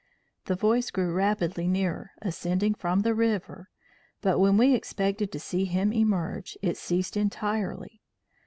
The voice grew rapidly nearer, ascending from the river, but when we expected to see him emerge, it ceased entirely.